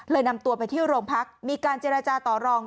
นำตัวไปที่โรงพักมีการเจรจาต่อรอง